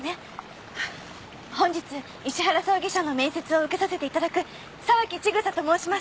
本日石原葬儀社の面接を受けさせていただく沢木千草と申します。